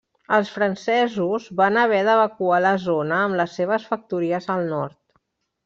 Els francesos van haver d'evacuar la zona amb les seves factories al nord.